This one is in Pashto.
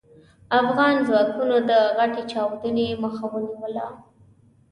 افغان ځواکونو د غټې چاودنې مخه ونيوله.